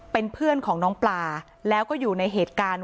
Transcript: เป็นเพื่อนของน้องปลาแล้วก็อยู่ในเหตุการณ์